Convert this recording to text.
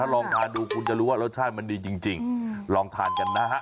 ลองทานดูคุณจะรู้ว่ารสชาติมันดีจริงลองทานกันนะฮะ